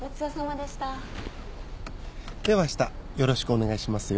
ではあしたよろしくお願いしますよ。